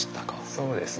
そうですね。